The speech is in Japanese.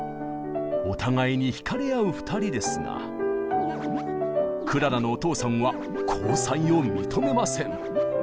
お互いに引かれ合う２人ですがクララのお父さんは交際を認めません。